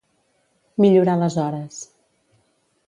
Millorar les hores.